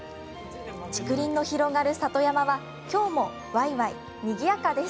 竹林の広がる里山は今日もわいわい、にぎやかです。